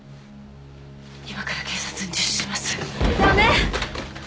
今から警察に自首しますダメ！